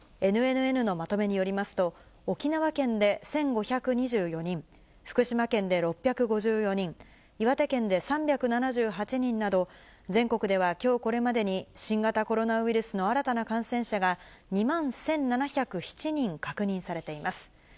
ＮＮＮのまとめによりますと、沖縄県で１５２４人、福島県で６５４人、岩手県で３７８人など、全国ではきょうこれまでに、新型コロナウイルスの新たな感染者が２万１７０７人確認されています。